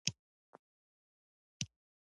سیندهیا ژر تر ژره شمال ته ولاړ شي.